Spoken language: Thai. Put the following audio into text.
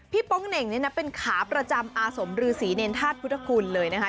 พี่ป้องเหน่งเป็นขาประจำอาสมรือศรีในทาสพุทธคุณเลยนะคะ